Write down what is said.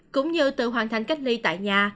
cũng như tự hoàn thành cách ly tại nhà